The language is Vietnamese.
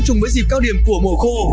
chung với dịp cao điểm của mùa khô